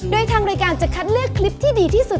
โดยทางรายการจะคัดเลือกคลิปที่ดีที่สุด